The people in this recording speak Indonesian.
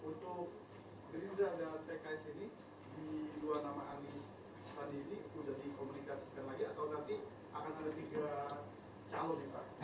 atau nanti akan ada tiga calon